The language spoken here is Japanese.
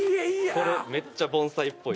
これめっちゃ盆栽っぽい。